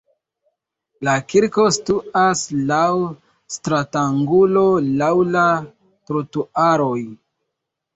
La kirko situas laŭ stratangulo laŭ la trotuaroj.